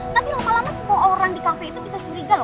tapi lama lama semua orang di kafe itu bisa curiga loh